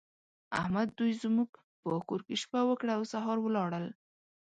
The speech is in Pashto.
احمد دوی زموږ په کور کې شپه وکړه او سهار ولاړل.